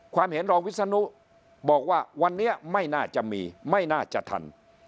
เห็นรองวิศนุบอกว่าวันนี้ไม่น่าจะมีไม่น่าจะทัน